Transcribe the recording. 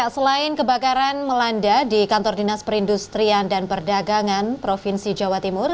selain kebakaran melanda di kantor dinas perindustrian dan perdagangan provinsi jawa timur